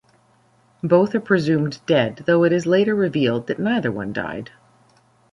Both are presumed dead, though it is later revealed that neither one died.